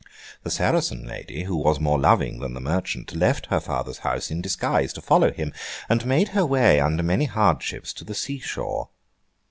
The Saracen lady, who was more loving than the merchant, left her father's house in disguise to follow him, and made her way, under many hardships, to the sea shore.